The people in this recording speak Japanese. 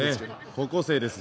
高校生です。